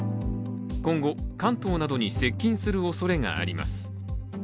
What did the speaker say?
今後、関東などに接近するおそれがあります。